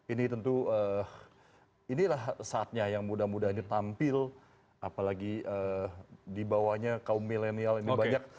ini tentu inilah saatnya yang mudah mudahan ditampil apalagi di bawahnya kaum milenial ini banyak